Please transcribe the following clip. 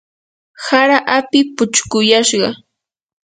hara api puchquyashqa.